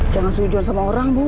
jangan seridor sama orang bu